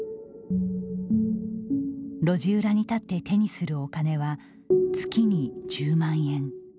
路地裏に立って手にするお金は月に１０万円。